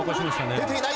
出ていない。